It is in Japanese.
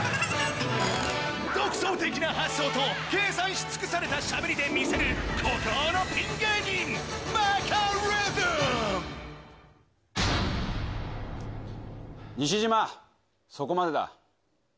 独創的な発想と、計算し尽くされたしゃべりで見せる孤高のピにしじま、そこまでだ。